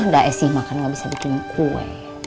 gak es sih makan gak bisa bikin kue